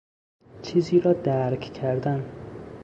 چیزی را درک کردن